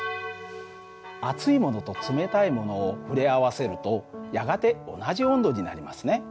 熱いものと冷たいものを触れ合わせるとやがて同じ温度になりますね。